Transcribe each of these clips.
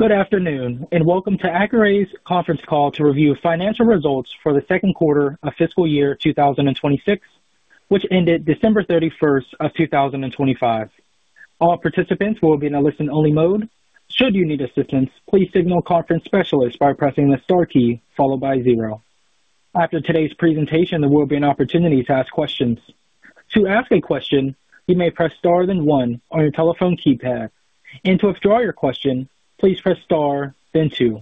Good afternoon and welcome to Accuray's conference call to review financial results for the second quarter of fiscal year 2026, which ended December 31st of 2025. All participants will be in a listen-only mode. Should you need assistance, please signal conference specialists by pressing the star key followed by zero. After today's presentation, there will be an opportunity to ask questions. To ask a question, you may press star then one on your telephone keypad. And to withdraw your question, please press star then two.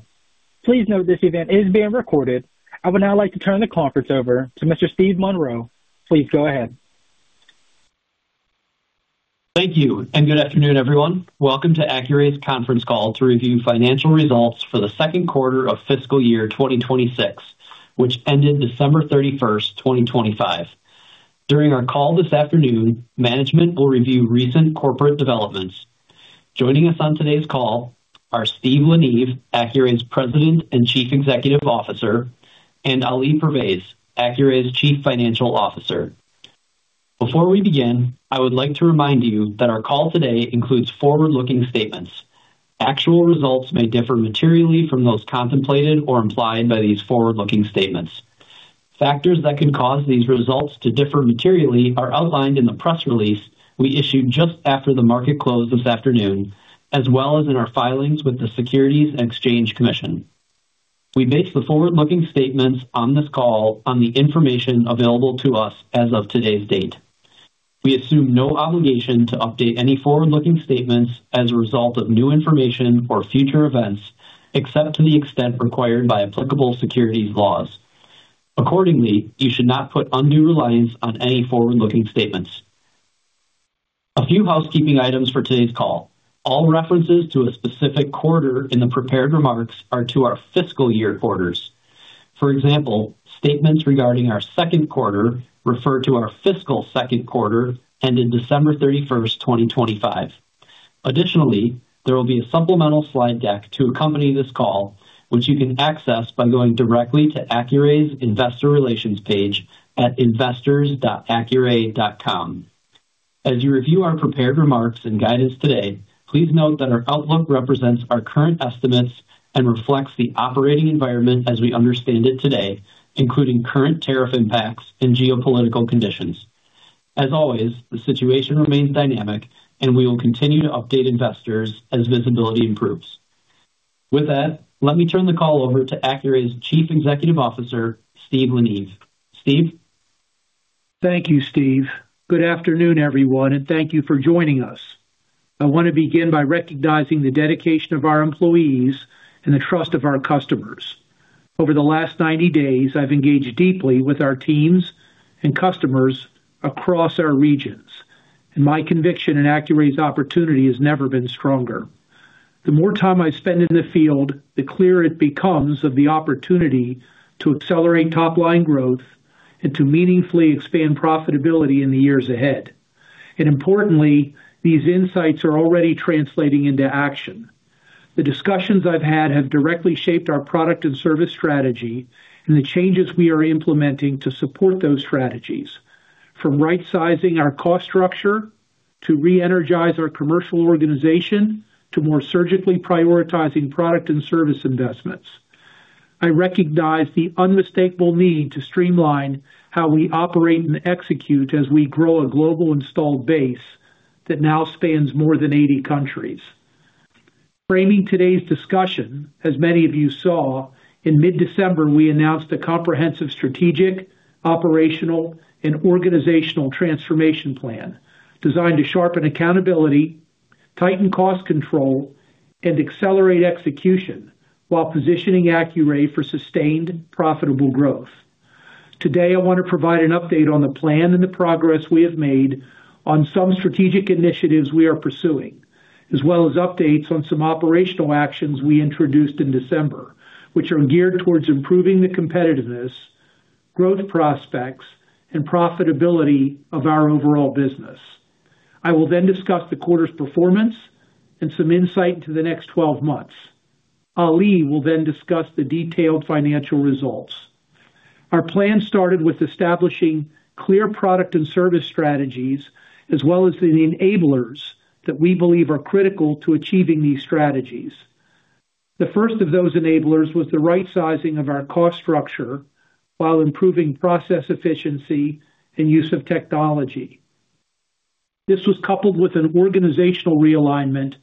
Please note this event is being recorded. I would now like to turn the conference over to Mr. Steve Monroe. Please go ahead. Thank you and good afternoon, everyone. Welcome to Accuray's conference call to review financial results for the second quarter of fiscal year 2026, which ended December 31st, 2025. During our call this afternoon, management will review recent corporate developments. Joining us on today's call are Steve La Neve, Accuray's President and Chief Executive Officer, and Ali Pervaiz, Accuray's Chief Financial Officer. Before we begin, I would like to remind you that our call today includes forward-looking statements. Actual results may differ materially from those contemplated or implied by these forward-looking statements. Factors that could cause these results to differ materially are outlined in the press release we issued just after the market closed this afternoon, as well as in our filings with the Securities and Exchange Commission. We base the forward-looking statements on this call on the information available to us as of today's date. We assume no obligation to update any forward-looking statements as a result of new information or future events, except to the extent required by applicable securities laws. Accordingly, you should not put undue reliance on any forward-looking statements. A few housekeeping items for today's call: all references to a specific quarter in the prepared remarks are to our fiscal year quarters. For example, statements regarding our second quarter refer to our fiscal second quarter ended December 31st, 2025. Additionally, there will be a supplemental slide deck to accompany this call, which you can access by going directly to Accuray's Investor Relations page at investors.accuray.com. As you review our prepared remarks and guidance today, please note that our outlook represents our current estimates and reflects the operating environment as we understand it today, including current tariff impacts and geopolitical conditions. As always, the situation remains dynamic, and we will continue to update investors as visibility improves. With that, let me turn the call over to Accuray's Chief Executive Officer, Steve La Neve. Steve? Thank you, Steve. Good afternoon, everyone, and thank you for joining us. I want to begin by recognizing the dedication of our employees and the trust of our customers. Over the last 90 days, I've engaged deeply with our teams and customers across our regions, and my conviction in Accuray's opportunity has never been stronger. The more time I spend in the field, the clearer it becomes of the opportunity to accelerate top-line growth and to meaningfully expand profitability in the years ahead. Importantly, these insights are already translating into action. The discussions I've had have directly shaped our product and service strategy and the changes we are implementing to support those strategies, from right-sizing our cost structure to re-energize our commercial organization to more surgically prioritizing product and service investments. I recognize the unmistakable need to streamline how we operate and execute as we grow a global installed base that now spans more than 80 countries. Framing today's discussion, as many of you saw, in mid-December we announced a comprehensive strategic, operational, and organizational transformation plan designed to sharpen accountability, tighten cost control, and accelerate execution while positioning Accuray for sustained, profitable growth. Today, I want to provide an update on the plan and the progress we have made on some strategic initiatives we are pursuing, as well as updates on some operational actions we introduced in December, which are geared towards improving the competitiveness, growth prospects, and profitability of our overall business. I will then discuss the quarter's performance and some insight into the next 12 months. Ali will then discuss the detailed financial results. Our plan started with establishing clear product and service strategies as well as the enablers that we believe are critical to achieving these strategies. The first of those enablers was the right-sizing of our cost structure while improving process efficiency and use of technology. This was coupled with an organizational realignment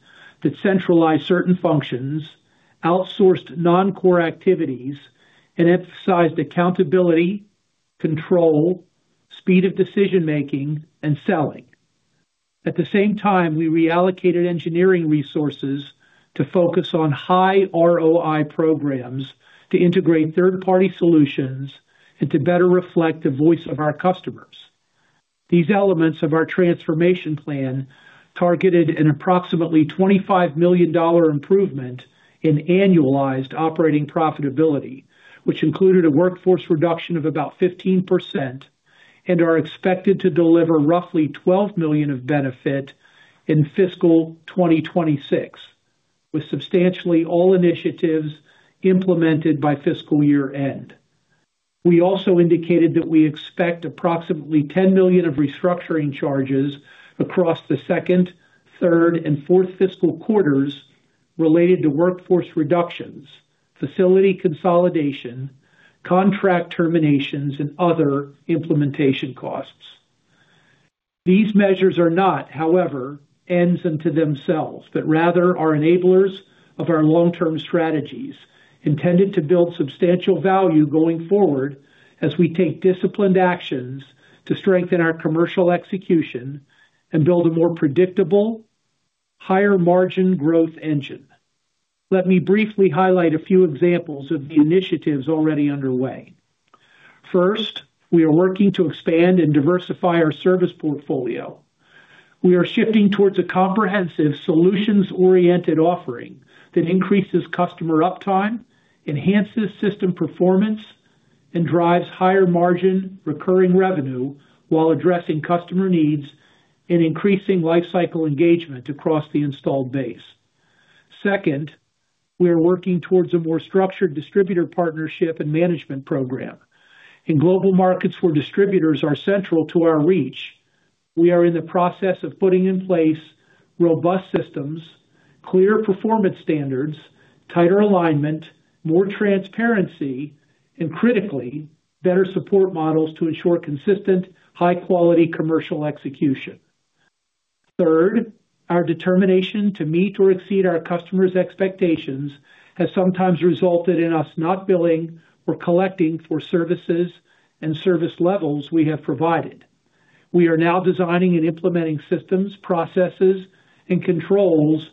that centralized certain functions, outsourced non-core activities, and emphasized accountability, control, speed of decision-making, and selling. At the same time, we reallocated engineering resources to focus on high ROI programs to integrate third-party solutions and to better reflect the voice of our customers. These elements of our transformation plan targeted an approximately $25 million improvement in annualized operating profitability, which included a workforce reduction of about 15% and are expected to deliver roughly $12 million of benefit in fiscal 2026, with substantially all initiatives implemented by fiscal year-end. We also indicated that we expect approximately $10 million of restructuring charges across the second, third, and fourth fiscal quarters related to workforce reductions, facility consolidation, contract terminations, and other implementation costs. These measures are not, however, ends unto themselves, but rather are enablers of our long-term strategies intended to build substantial value going forward as we take disciplined actions to strengthen our commercial execution and build a more predictable, higher-margin growth engine. Let me briefly highlight a few examples of the initiatives already underway. First, we are working to expand and diversify our service portfolio. We are shifting towards a comprehensive solutions-oriented offering that increases customer uptime, enhances system performance, and drives higher-margin recurring revenue while addressing customer needs and increasing lifecycle engagement across the installed base. Second, we are working towards a more structured distributor partnership and management program. Global markets where distributors are central to our reach, we are in the process of putting in place robust systems, clear performance standards, tighter alignment, more transparency, and critically, better support models to ensure consistent, high-quality commercial execution. Third, our determination to meet or exceed our customers' expectations has sometimes resulted in us not billing or collecting for services and service levels we have provided. We are now designing and implementing systems, processes, and controls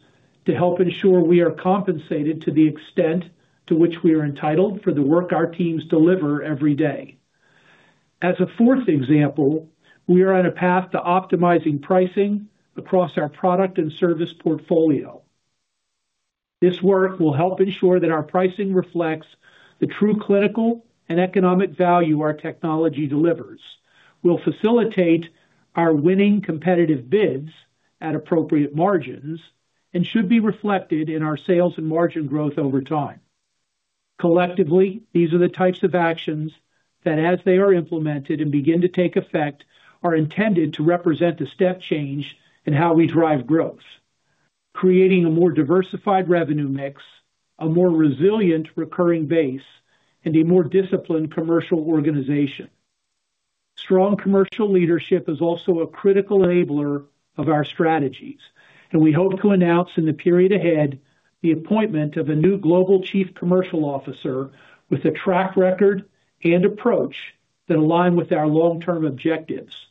to help ensure we are compensated to the extent to which we are entitled for the work our teams deliver every day. As a fourth example, we are on a path to optimizing pricing across our product and service portfolio. This work will help ensure that our pricing reflects the true clinical and economic value our technology delivers, will facilitate our winning competitive bids at appropriate margins, and should be reflected in our sales and margin growth over time. Collectively, these are the types of actions that, as they are implemented and begin to take effect, are intended to represent a step change in how we drive growth: creating a more diversified revenue mix, a more resilient recurring base, and a more disciplined commercial organization. Strong commercial leadership is also a critical enabler of our strategies, and we hope to announce in the period ahead the appointment of a new global Chief Commercial Officer with a track record and approach that align with our long-term objectives.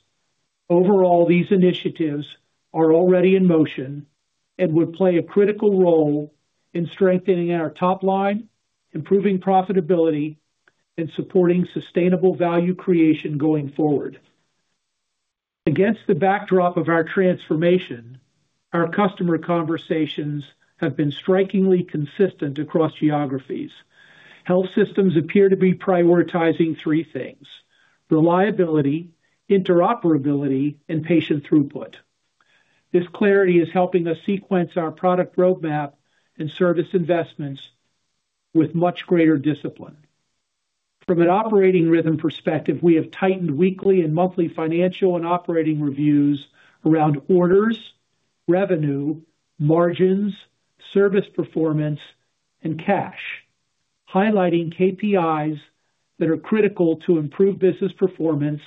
Overall, these initiatives are already in motion and would play a critical role in strengthening our top line, improving profitability, and supporting sustainable value creation going forward. Against the backdrop of our transformation, our customer conversations have been strikingly consistent across geographies. Health systems appear to be prioritizing three things: reliability, interoperability, and patient throughput. This clarity is helping us sequence our product roadmap and service investments with much greater discipline. From an operating rhythm perspective, we have tightened weekly and monthly financial and operating reviews around orders, revenue, margins, service performance, and cash, highlighting KPIs that are critical to improve business performance,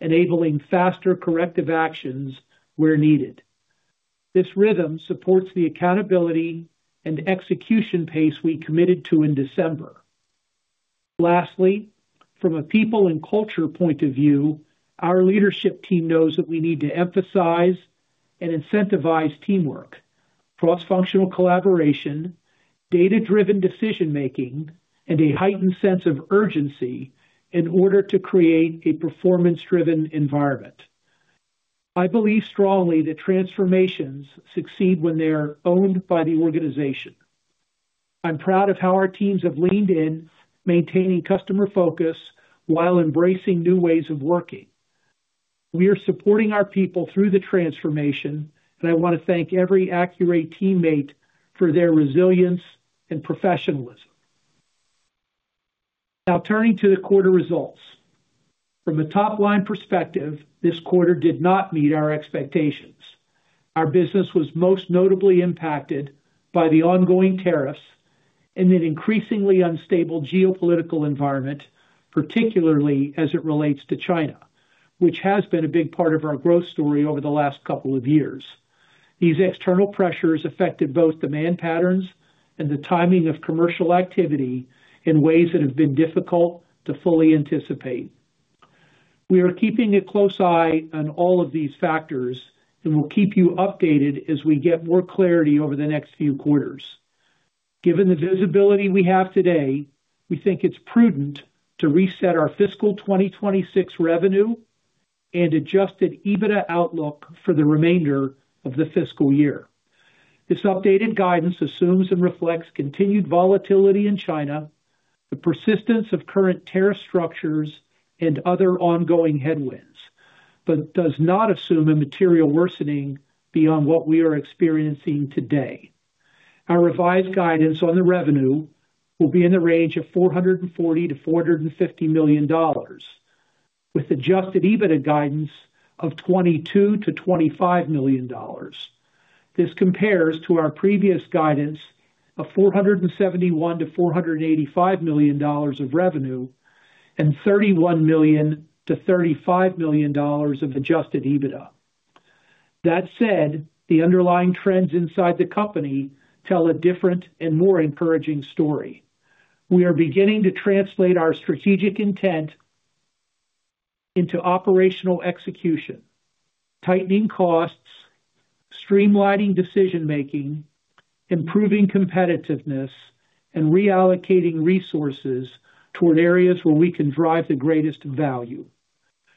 enabling faster corrective actions where needed. This rhythm supports the accountability and execution pace we committed to in December. Lastly, from a people and culture point of view, our leadership team knows that we need to emphasize and incentivize teamwork, cross-functional collaboration, data-driven decision-making, and a heightened sense of urgency in order to create a performance-driven environment. I believe strongly that transformations succeed when they're owned by the organization. I'm proud of how our teams have leaned in, maintaining customer focus while embracing new ways of working. We are supporting our people through the transformation, and I want to thank every Accuray teammate for their resilience and professionalism. Now, turning to the quarter results. From a top-line perspective, this quarter did not meet our expectations. Our business was most notably impacted by the ongoing tariffs and the increasingly unstable geopolitical environment, particularly as it relates to China, which has been a big part of our growth story over the last couple of years. These external pressures affected both demand patterns and the timing of commercial activity in ways that have been difficult to fully anticipate. We are keeping a close eye on all of these factors and will keep you updated as we get more clarity over the next few quarters. Given the visibility we have today, we think it's prudent to reset our fiscal 2026 revenue and adjusted EBITDA outlook for the remainder of the fiscal year. This updated guidance assumes and reflects continued volatility in China, the persistence of current tariff structures, and other ongoing headwinds, but does not assume a material worsening beyond what we are experiencing today. Our revised guidance on the revenue will be in the range of $440 million-$450 million, with adjusted EBITDA guidance of $22 million-$25 million. This compares to our previous guidance of $471 million-$485 million of revenue and $31 million-$35 million of adjusted EBITDA. That said, the underlying trends inside the company tell a different and more encouraging story. We are beginning to translate our strategic intent into operational execution, tightening costs, streamlining decision-making, improving competitiveness, and reallocating resources toward areas where we can drive the greatest value.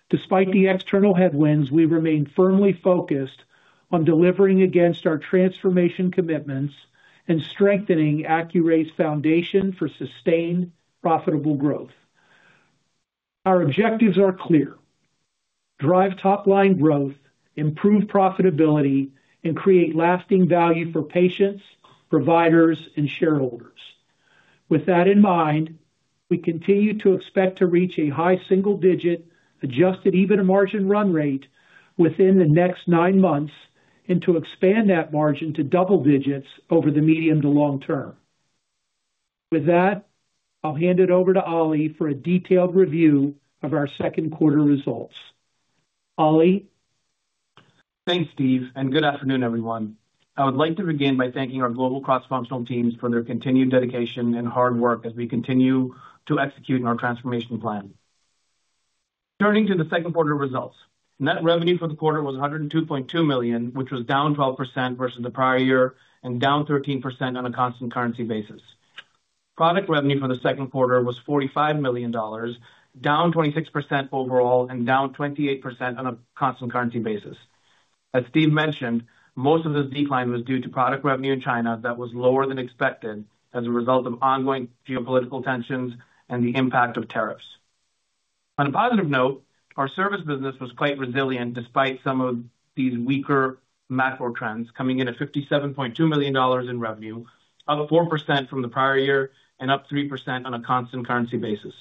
Despite the external headwinds, we remain firmly focused on delivering against our transformation commitments and strengthening Accuray's foundation for sustained, profitable growth. Our objectives are clear: drive top-line growth, improve profitability, and create lasting value for patients, providers, and shareholders. With that in mind, we continue to expect to reach a high single-digit adjusted EBITDA margin run rate within the next nine months and to expand that margin to double digits over the medium to long term. With that, I'll hand it over to Ali for a detailed review of our second quarter results. Ali? Thanks, Steve, and good afternoon, everyone. I would like to begin by thanking our global cross-functional teams for their continued dedication and hard work as we continue to execute on our transformation plan. Turning to the second quarter results. Net revenue for the quarter was $102.2 million, which was down 12% versus the prior year and down 13% on a constant currency basis. Product revenue for the second quarter was $45 million, down 26% overall and down 28% on a constant currency basis. As Steve mentioned, most of this decline was due to product revenue in China that was lower than expected as a result of ongoing geopolitical tensions and the impact of tariffs. On a positive note, our service business was quite resilient despite some of these weaker macro trends coming in at $57.2 million in revenue, up 4% from the prior year and up 3% on a constant currency basis.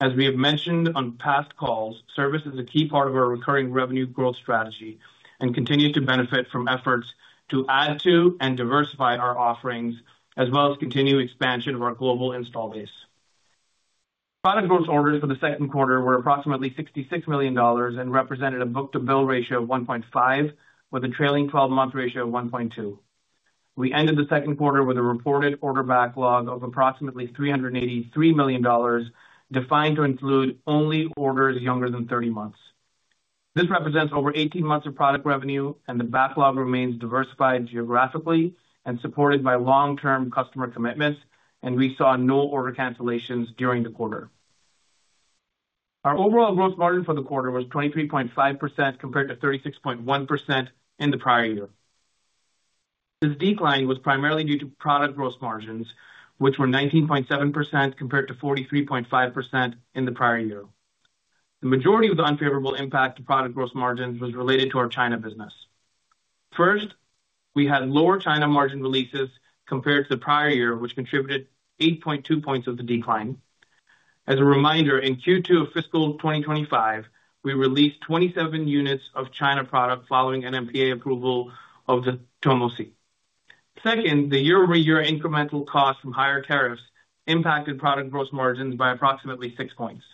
As we have mentioned on past calls, service is a key part of our recurring revenue growth strategy and continues to benefit from efforts to add to and diversify our offerings as well as continue expansion of our global install base. Product gross orders for the second quarter were approximately $66 million and represented a book-to-bill ratio of 1.5x with a trailing 12-month ratio of 1.2x. We ended the second quarter with a reported order backlog of approximately $383 million defined to include only orders younger than 30 months. This represents over 18 months of product revenue, and the backlog remains diversified geographically and supported by long-term customer commitments, and we saw no order cancellations during the quarter. Our overall gross margin for the quarter was 23.5% compared to 36.1% in the prior year. This decline was primarily due to product gross margins, which were 19.7% compared to 43.5% in the prior year. The majority of the unfavorable impact to product gross margins was related to our China business. First, we had lower China margin releases compared to the prior year, which contributed 8.2 points of the decline. As a reminder, in Q2 of fiscal 2025, we released 27 units of China product following NMPA approval of the Tomo C. Second, the year-over-year incremental cost from higher tariffs impacted product gross margins by approximately six points.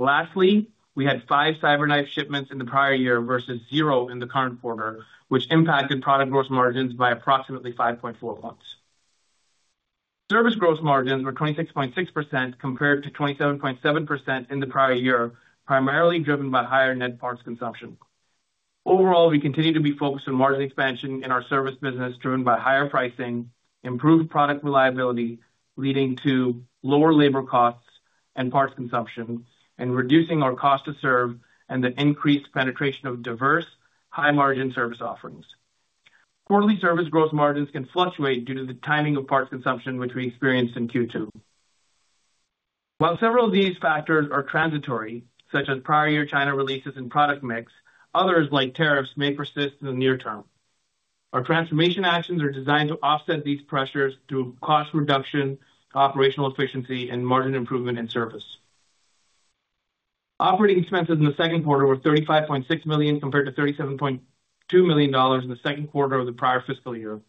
Lastly, we had five CyberKnife shipments in the prior year versus zero in the current quarter, which impacted product gross margins by approximately 5.4 points. Service gross margins were 26.6% compared to 27.7% in the prior year, primarily driven by higher net parts consumption. Overall, we continue to be focused on margin expansion in our service business driven by higher pricing, improved product reliability leading to lower labor costs and parts consumption, and reducing our cost to serve and the increased penetration of diverse, high-margin service offerings. Quarterly service gross margins can fluctuate due to the timing of parts consumption, which we experienced in Q2. While several of these factors are transitory, such as prior year China releases and product mix, others like tariffs may persist in the near term. Our transformation actions are designed to offset these pressures through cost reduction, operational efficiency, and margin improvement in service. Operating expenses in the second quarter were $35.6 million compared to $37.2 million in the second quarter of the prior fiscal year.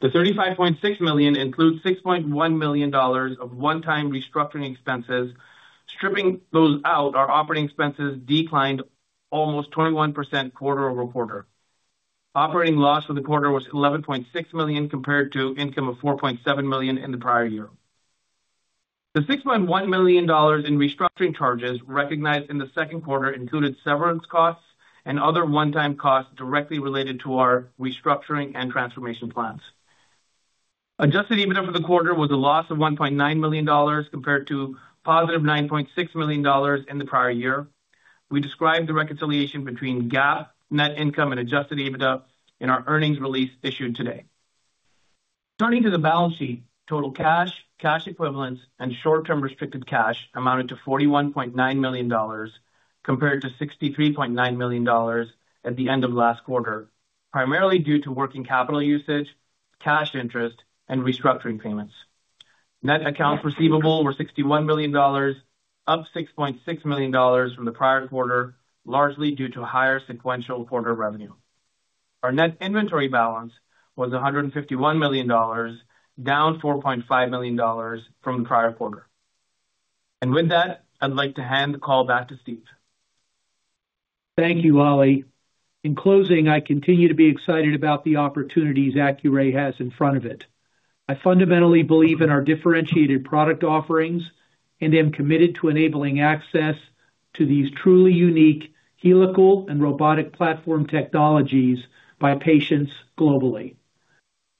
The $35.6 million includes $6.1 million of one-time restructuring expenses. Stripping those out, our operating expenses declined almost 21% quarter-over-quarter. Operating loss for the quarter was $11.6 million compared to an income of $4.7 million in the prior year. The $6.1 million in restructuring charges recognized in the second quarter included severance costs and other one-time costs directly related to our restructuring and transformation plans. adjusted EBITDA for the quarter was a loss of $1.9 million compared to positive $9.6 million in the prior year. We describe the reconciliation between GAAP net income and adjusted EBITDA in our earnings release issued today. Turning to the balance sheet, total cash, cash equivalents, and short-term restricted cash amounted to $41.9 million compared to $63.9 million at the end of last quarter, primarily due to working capital usage, cash interest, and restructuring payments. Net accounts receivable were $61 million, up $6.6 million from the prior quarter, largely due to higher sequential quarter revenue. Our net inventory balance was $151 million, down $4.5 million from the prior quarter. And with that, I'd like to hand the call back to Steve. Thank you, Ali. In closing, I continue to be excited about the opportunities Accuray has in front of it. I fundamentally believe in our differentiated product offerings and am committed to enabling access to these truly unique helical and robotic platform technologies by patients globally.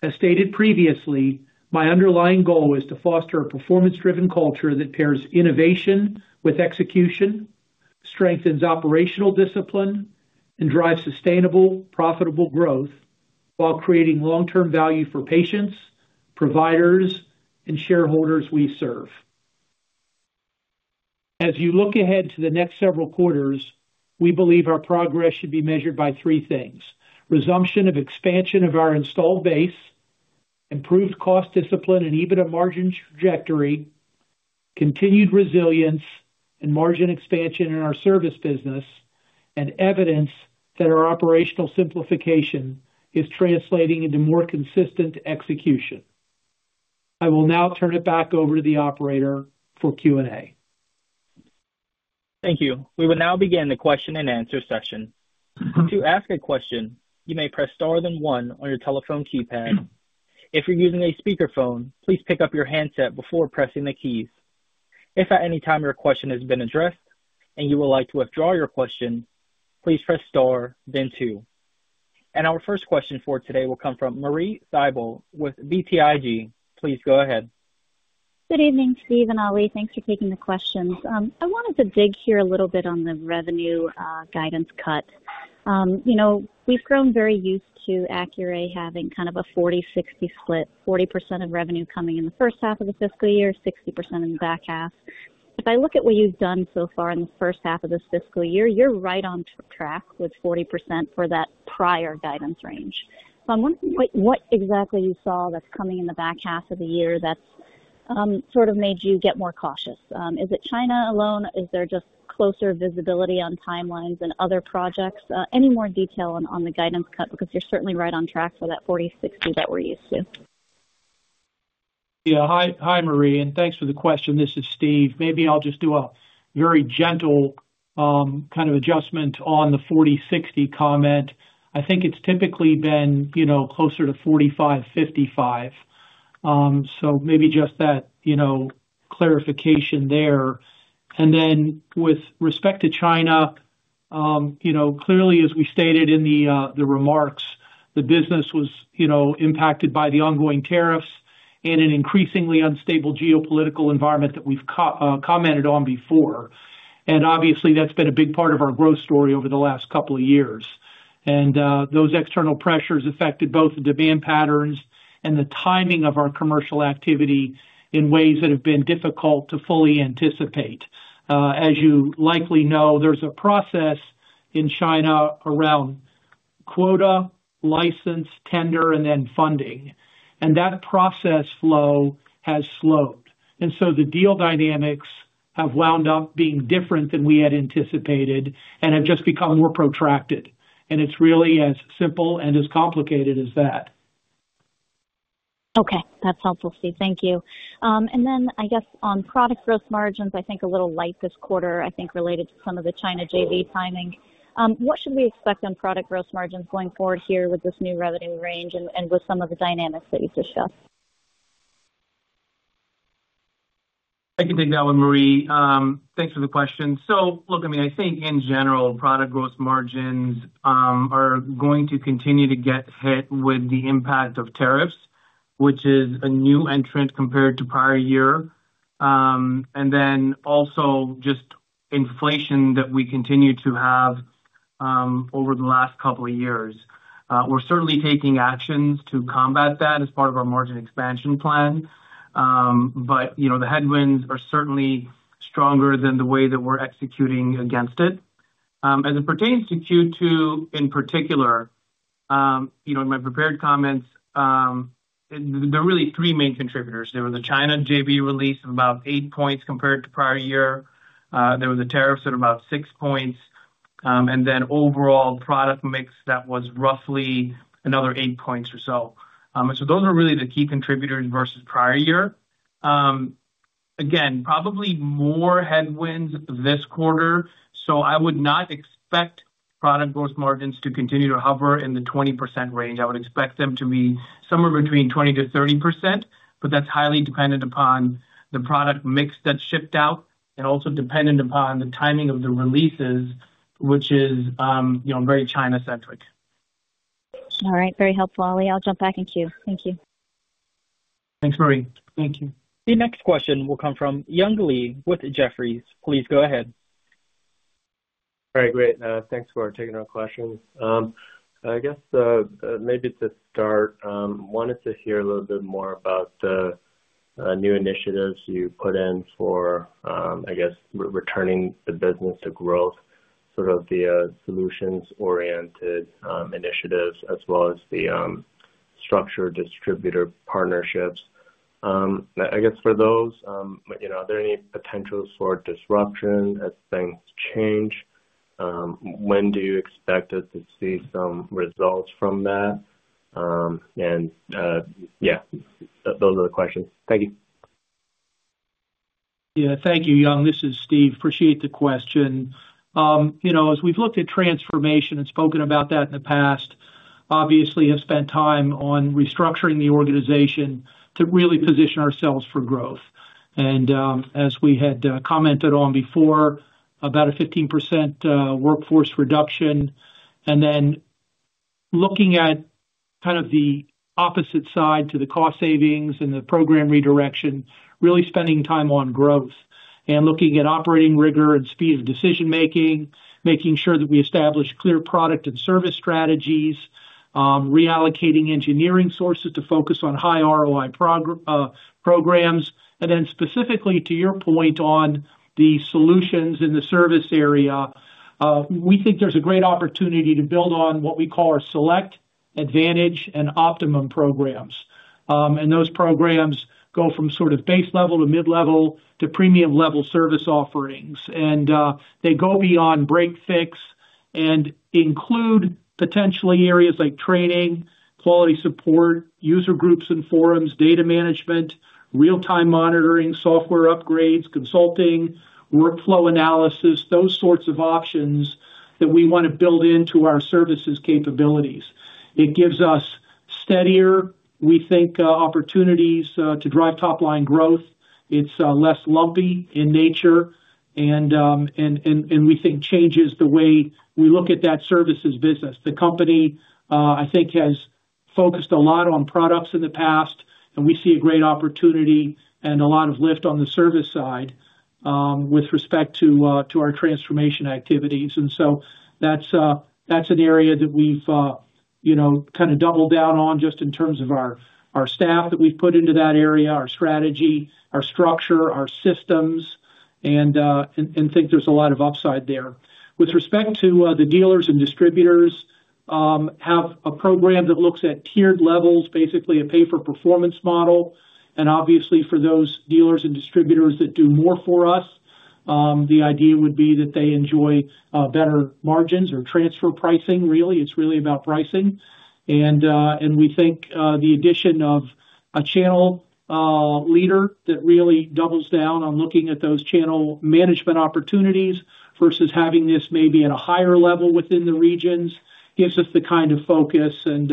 As stated previously, my underlying goal is to foster a performance-driven culture that pairs innovation with execution, strengthens operational discipline, and drives sustainable, profitable growth while creating long-term value for patients, providers, and shareholders we serve. As you look ahead to the next several quarters, we believe our progress should be measured by three things: resumption of expansion of our installed base, improved cost discipline and EBITDA margin trajectory, continued resilience and margin expansion in our service business, and evidence that our operational simplification is translating into more consistent execution. I will now turn it back over to the operator for Q&A. Thank you. We will now begin the question and answer session. To ask a question, you may press star, then one on your telephone keypad. If you're using a speakerphone, please pick up your handset before pressing the keys. If at any time your question has been addressed and you would like to withdraw your question, please press star, then two. Our first question for today will come from Marie Thibault with BTIG. Please go ahead. Good evening, Steve and Ali. Thanks for taking the questions. I wanted to dig here a little bit on the revenue guidance cut. We've grown very used to Accuray having kind of a 40/60 split, 40% of revenue coming in the first half of the fiscal year, 60% in the back half. If I look at what you've done so far in the first half of this fiscal year, you're right on track with 40% for that prior guidance range. So I'm wondering what exactly you saw that's coming in the back half of the year that's sort of made you get more cautious. Is it China alone? Is there just closer visibility on timelines and other projects? Any more detail on the guidance cut because you're certainly right on track for that 40/60 that we're used to? Yeah. Hi, Marie, and thanks for the question. This is Steve. Maybe I'll just do a very gentle kind of adjustment on the 40/60 comment. I think it's typically been closer to 45/55. So maybe just that clarification there. And then with respect to China, clearly, as we stated in the remarks, the business was impacted by the ongoing tariffs and an increasingly unstable geopolitical environment that we've commented on before. And obviously, that's been a big part of our growth story over the last couple of years. And those external pressures affected both the demand patterns and the timing of our commercial activity in ways that have been difficult to fully anticipate. As you likely know, there's a process in China around quota, license, tender, and then funding. And that process flow has slowed. And so the deal dynamics have wound up being different than we had anticipated and have just become more protracted. And it's really as simple and as complicated as that. Okay. That's helpful, Steve. Thank you. And then I guess on product gross margins, I think a little light this quarter, I think related to some of the China JV timing. What should we expect on product gross margins going forward here with this new revenue range and with some of the dynamics that you've discussed? I can take that one, Marie. Thanks for the question. So look, I mean, I think in general, product gross margins are going to continue to get hit with the impact of tariffs, which is a new entrant compared to prior year, and then also just inflation that we continue to have over the last couple of years. We're certainly taking actions to combat that as part of our margin expansion plan. But the headwinds are certainly stronger than the way that we're executing against it. As it pertains to Q2 in particular, in my prepared comments, there are really three main contributors. There was a China JV release of about eight points compared to prior year. There was a tariffs at about six points. And then overall product mix that was roughly another eight points or so. And so those are really the key contributors versus prior year. Again, probably more headwinds this quarter. So I would not expect product gross margins to continue to hover in the 20% range. I would expect them to be somewhere between 20%-30%, but that's highly dependent upon the product mix that's shipped out and also dependent upon the timing of the releases, which is very China-centric. All right. Very helpful, Ali. I'll jump back in queue. Thank you. Thanks, Marie. Thank you. The next question will come from Young Li with Jefferies. Please go ahead. All right. Great. Thanks for taking our questions. I guess maybe to start, I wanted to hear a little bit more about the new initiatives you put in for, I guess, returning the business to growth, sort of the solutions-oriented initiatives as well as the structure distributor partnerships. I guess for those, are there any potentials for disruption as things change? When do you expect us to see some results from that? And yeah, those are the questions. Thank you. Yeah. Thank you, Young. This is Steve. Appreciate the question. As we've looked at transformation and spoken about that in the past, obviously, have spent time on restructuring the organization to really position ourselves for growth. And as we had commented on before, about a 15% workforce reduction. And then looking at kind of the opposite side to the cost savings and the program redirection, really spending time on growth and looking at operating rigor and speed of decision-making, making sure that we establish clear product and service strategies, reallocating engineering sources to focus on high ROI programs. And then specifically to your point on the solutions in the service area, we think there's a great opportunity to build on what we call our Select, Advantage, and Optimum programs. Those programs go from sort of base level to mid-level to premium-level service offerings. They go beyond break-fix and include potentially areas like training, quality support, user groups and forums, data management, real-time monitoring, software upgrades, consulting, workflow analysis, those sorts of options that we want to build into our services capabilities. It gives us steadier, we think, opportunities to drive top-line growth. It's less lumpy in nature. We think changes the way we look at that services business. The company, I think, has focused a lot on products in the past, and we see a great opportunity and a lot of lift on the service side with respect to our transformation activities. And so that's an area that we've kind of doubled down on just in terms of our staff that we've put into that area, our strategy, our structure, our systems, and think there's a lot of upside there. With respect to the dealers and distributors, have a program that looks at tiered levels, basically a pay-for-performance model. And obviously, for those dealers and distributors that do more for us, the idea would be that they enjoy better margins or transfer pricing, really. It's really about pricing. And we think the addition of a channel leader that really doubles down on looking at those channel management opportunities versus having this maybe at a higher level within the regions gives us the kind of focus and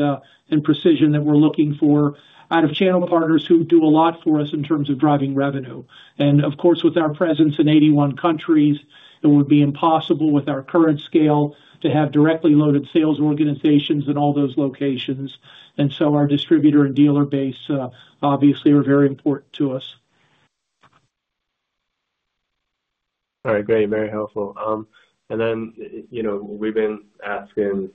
precision that we're looking for out of channel partners who do a lot for us in terms of driving revenue. And of course, with our presence in 81 countries, it would be impossible with our current scale to have directly loaded sales organizations in all those locations. And so our distributor and dealer base, obviously, are very important to us. All right. Great. Very helpful. And then we've been asking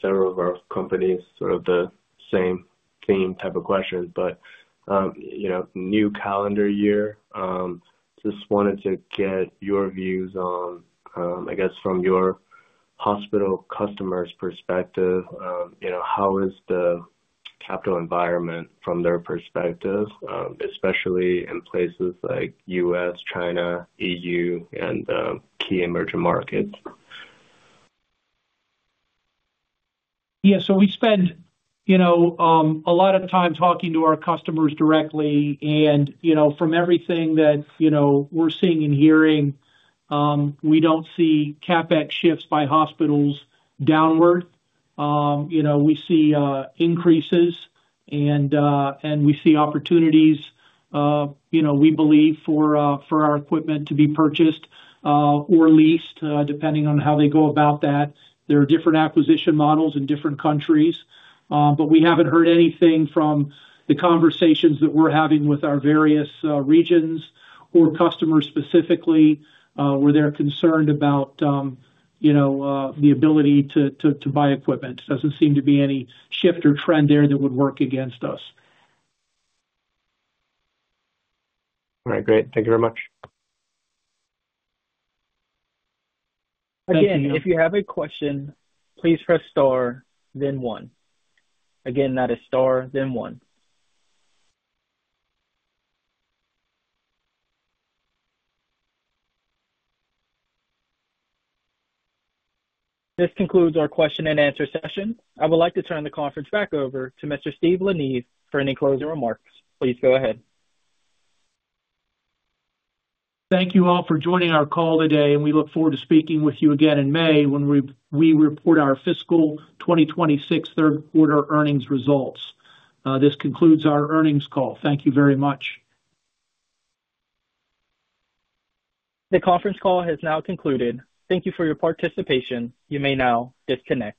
several of our companies sort of the same theme type of questions, but new calendar year. Just wanted to get your views on, I guess, from your hospital customers' perspective, how is the capital environment from their perspective, especially in places like U.S., China, EU, and key emerging markets? Yeah. So we spend a lot of time talking to our customers directly. And from everything that we're seeing and hearing, we don't see CapEx shifts by hospitals downward. We see increases, and we see opportunities, we believe, for our equipment to be purchased or leased depending on how they go about that. There are different acquisition models in different countries. But we haven't heard anything from the conversations that we're having with our various regions or customers specifically where they're concerned about the ability to buy equipment. It doesn't seem to be any shift or trend there that would work against us. All right. Great. Thank you very much. Again, if you have a question, please press star then one. Again, that is star then one. This concludes our question and answer session. I would like to turn the conference back over to Mr. Steve La Neve for any closing remarks. Please go ahead. Thank you all for joining our call today. We look forward to speaking with you again in May when we report our fiscal 2026 third-quarter earnings results. This concludes our earnings call. Thank you very much. The conference call has now concluded. Thank you for your participation. You may now disconnect.